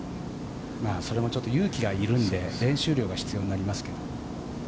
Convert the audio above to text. それも勇気がいるので練習量が必要になりますけど。